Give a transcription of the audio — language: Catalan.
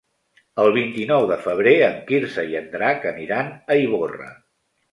El vint-i-nou de febrer en Quirze i en Drac aniran a Ivorra.